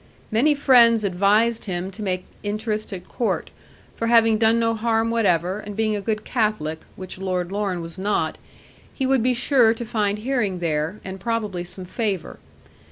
Many friends advised him to make interest at Court; for having done no harm whatever, and being a good Catholic, which Lord Lorne was not, he would be sure to find hearing there, and probably some favour.